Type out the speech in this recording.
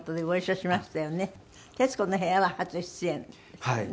『徹子の部屋』は初出演ですね。